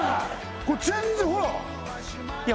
これ全然ほらいや